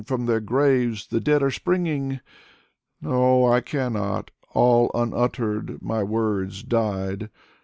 From their graves the dead are springing." " No, I cannot. All unuttered My words died.